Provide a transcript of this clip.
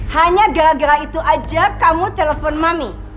hanya gara gara itu aja kamu telepon mami